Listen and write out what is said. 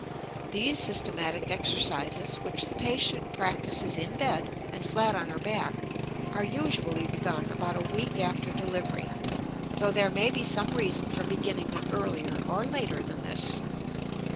These systematic exercises, which the patient practices in bed and flat on her back, are usually begun about a week after delivery, though there may be some reason for beginning them earlier or later than this.